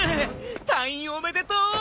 退院おめでとう！